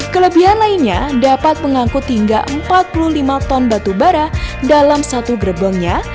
kelebihan lainnya dapat mengangkut hingga empat puluh lima ton batu bara dalam satu gerbongnya